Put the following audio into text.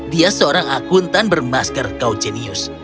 dia seorang akuntan bermasker kaum jenius